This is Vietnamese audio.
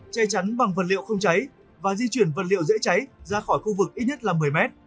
che chắn bằng vật liệu không cháy và di chuyển vật liệu dễ cháy ra khỏi khu vực ít nhất là một mươi mét